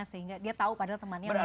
sehingga dia tahu padahal temannya mereka